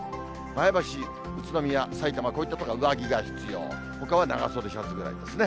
前橋、宇都宮、さいたま、こういった所は上着が必要、ほかは長袖シャツぐらいですね。